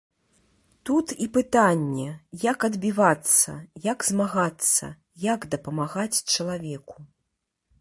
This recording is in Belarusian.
Тут і пытанне, як адбівацца, як змагацца, як дапамагаць чалавеку.